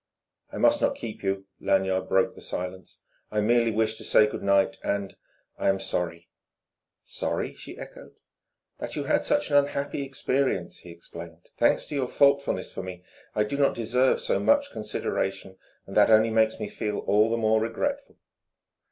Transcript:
"I must not keep you," Lanyard broke the silence. "I merely wished to say good night and ... I am sorry." "Sorry?" she echoed. "That you had such an unhappy experience," he explained "thanks to your thoughtfulness for me. I do not deserve so much consideration; and that only makes me feel all the more regretful."